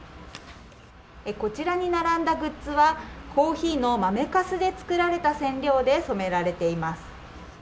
こちらに並んだグッズはコーヒーの豆かすで作られた染料で染められています。